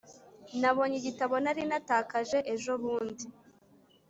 nabonye igitabo nari natakaje ejobundi.